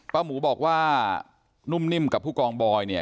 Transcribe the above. ป้าหมูบอกว่านุ่มนิ่มกับผู้กองบอย